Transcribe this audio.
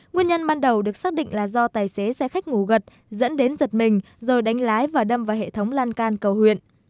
nguyên nhân ban đầu được xác định là do tài xế xe khách ngủ gật dẫn đến giật mình rồi đánh lái và đâm vào hệ thống lan can cầu huyện